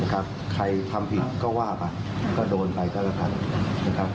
ใครทำผิดก็ว่าไปก็โดนไปก็กระทัด